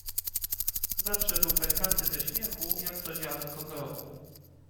Zawsze był pękaty ze śmiechu jak to ziarnko grochu.